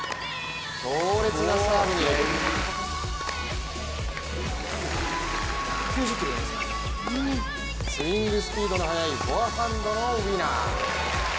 強烈なサーブにスイングスピードの速いフォアハンドのウィナー。